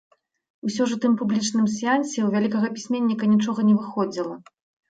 Усё ж у тым публічным сеансе ў вялікага пісьменніка нічога не выходзіла.